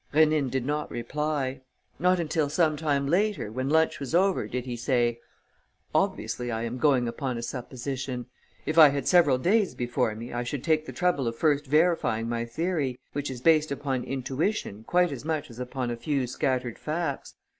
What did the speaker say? Rénine did not reply. Not until some time later, when lunch was over, did he say: "Obviously I am going upon a supposition. If I had several days before me, I should take the trouble of first verifying my theory, which is based upon intuition quite as much as upon a few scattered facts.